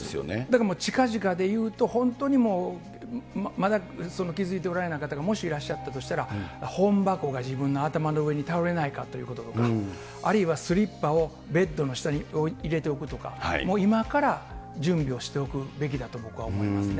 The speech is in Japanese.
だからもう、近々で言うと、本当にもう、まだ気付いておられない方がもしいらっしゃったとしたら、本箱が自分の頭の上に倒れないかということとか、あるいはスリッパをベッドの下に入れておくとか、もう今から準備をしておくべきだと、僕は思いますね。